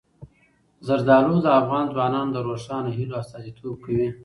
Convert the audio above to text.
زردالو د افغان ځوانانو د روښانه هیلو استازیتوب کوي.